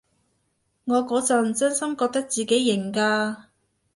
我嗰陣真心覺得自己型㗎